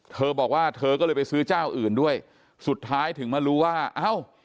เธอบอกว่าเธอก็เลยไปซื้อเจ้าอื่นด้วยสุดท้ายถึงมารู้ว่าเอ้า